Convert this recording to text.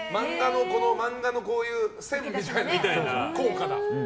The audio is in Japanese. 漫画のこういう線みたいな効果だ。